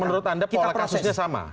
menurut anda pola kasusnya sama